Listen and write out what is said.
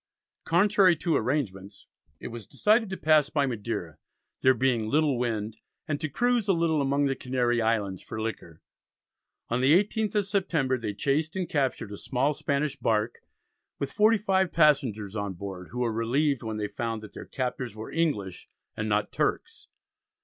Contrary to arrangements it was decided to pass by Madeira, there being "little wind," and to "cruise a little among the Canary Islands for liquor." On the 18th of September they chased and captured a small Spanish bark with forty five passengers on board, who were relieved when they found that their captors were English and not Turks.